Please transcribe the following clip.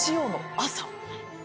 朝。